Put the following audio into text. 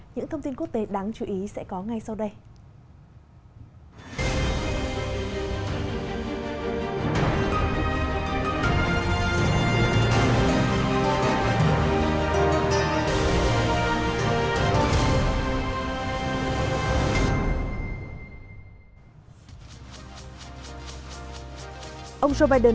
những thông tin quốc tế đáng chú ý sẽ có ngay sau đây